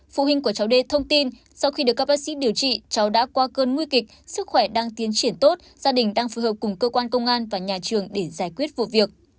phụ huynh của cháu đê thông tin sau khi được các bác sĩ điều trị cháu đã qua cơn nguy kịch sức khỏe đang tiến triển tốt gia đình đang phù hợp cùng cơ quan công an và nhà trường để giải quyết vụ việc